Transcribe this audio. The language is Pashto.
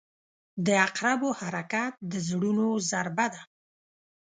• د عقربو حرکت د زړونو ضربه ده.